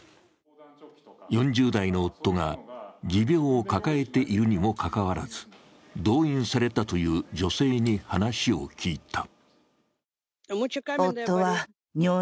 ４０代の夫が持病を抱えているにもかかわらず、動員されたという女性に話を聞いた。